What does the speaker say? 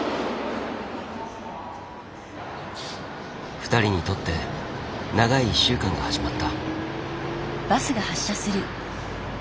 ２人にとって長い１週間が始まった。